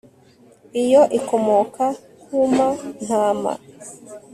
iyo ikomoka kuma ntama